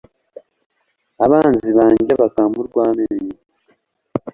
abanzi banjye bakampa urw'amenyo